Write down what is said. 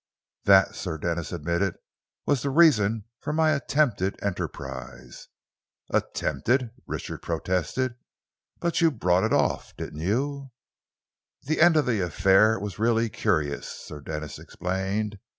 "That," Sir Denis admitted, "was the reason for my attempted enterprise." "Attempted?" Richard protested. "But you brought it off, didn't you?" "The end of the affair was really curious," Sir Denis explained.